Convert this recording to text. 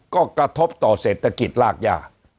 ก็กระทบต่อเศรษฐกิจรากย่า